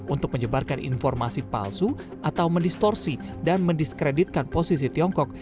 untuk menyebarkan informasi palsu atau mendistorsi dan mendiskreditkan posisi tiongkok